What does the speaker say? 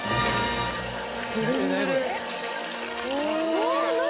うわぁ何？